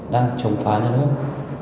đang trồng phá nhà nước